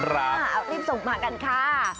รีบส่งมากันค่ะ